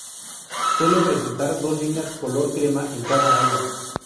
Suele presentar dos líneas color crema en cada ala.